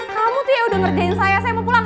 kamu tuh ya udah ngerjain saya saya mau pulang